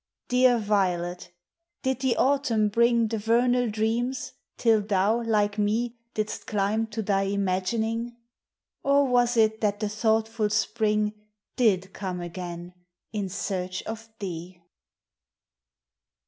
Dear violet! Did the Autumn bring The vernal dreams, till thou, like me, Didst climb to thy imagining? Or was it that the thoughtful Spring Did come again, in search of thee?